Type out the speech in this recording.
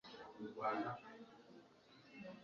Museveni yaratsinze ajya kwiga Amategeko muri Kaminuza